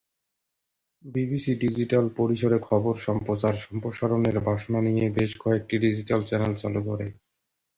BBC digital পরিসরে খবর সম্প্রচার সম্প্রসারণের বাসনা নিয়ে বেশ কয়েকটি ডিজিটাল চ্যানেল চালু করে।